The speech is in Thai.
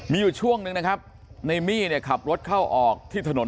มีอยู่ช่วงนึงนะครับในมี่เนี่ยขับรถเข้าออกที่ถนน